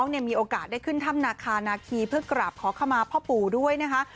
ท่ามนาคาราคีเพื่อกราบขอเข้ามาพ่อปู่ด้วยนะฮะ